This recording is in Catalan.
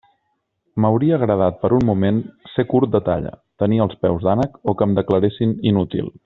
M'hauria agradat per un moment ser curt de talla, tenir els peus d'ànec o que em declaressin inútil.